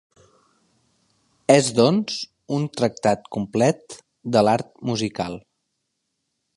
És, doncs, un tractat complet de l'art musical.